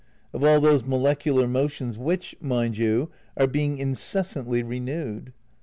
Of all those molecular motions which, mind you, are being incessantly renewed?